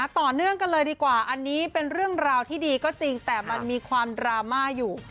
ต่อเนื่องกันเลยดีกว่าอันนี้เป็นเรื่องราวที่ดีก็จริงแต่มันมีความดราม่าอยู่